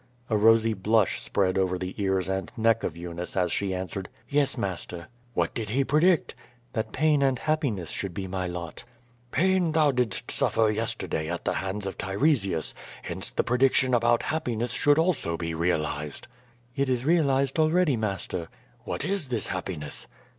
A rosy blush spread over the ears and neck of Eunice as she answered. "Yes; master." "What did he predict?" "That pain and happiness should be my lot." "Pain thou didst suffer yesterday at the hands of Tiresias, hence the prediction about happiness should also be realized." "It is realized already, master." "Wliat is this happiness?"